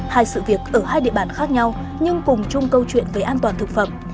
hai sự việc ở hai địa bàn khác nhau nhưng cùng chung câu chuyện về an toàn thực phẩm